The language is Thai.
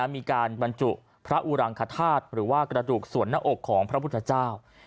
มีการบรรจุพระอุรังคธาตุหรือว่ากระดูกส่วนหน้าอกของพระพุทธเจ้า